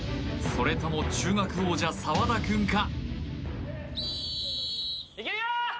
それとも中学王者・澤田くんか？